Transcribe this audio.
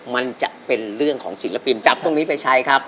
มันจะเป็นเรื่องของศิลปินจับตรงนี้ไปใช้ครับ